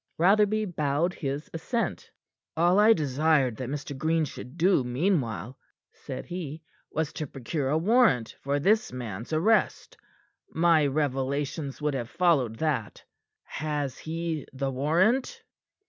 Rotherby bowed his assent. "All I desired that Mr. Green should do meanwhile," said he, "was to procure a warrant for this man's arrest. My revelations would have followed that. Has he the warrant?"